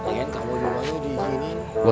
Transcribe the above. ini kan kamu rumahnya di sini